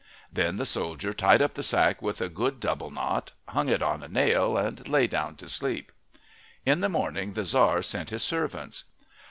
Then the soldier tied up the sack with a good double knot, hung it on a nail, and lay down to sleep. In the morning the Tzar sent his servants.